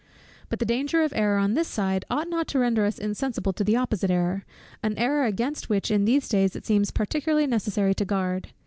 But the danger of error on this side ought not to render us insensible to the opposite error; an error against which in these days it seems particularly necessary to guard.